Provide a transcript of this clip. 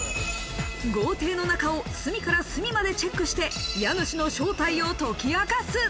豪邸の中を隅から隅までチェックして、家主の正体を解き明かす。